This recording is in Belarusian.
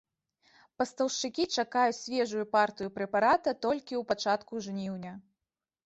Пастаўшчыкі чакаюць свежую партыю прэпарата толькі ў пачатку жніўня.